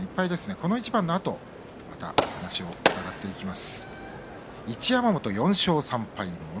この一番のあとまた話を伺っていきます。